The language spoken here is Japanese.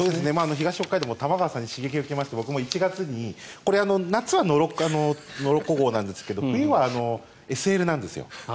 東北海道も玉川さんに刺激を受けまして夏はノロッコ号なんですが冬はＳＬなんですよ。